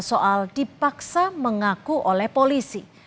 soal dipaksa mengaku oleh polisi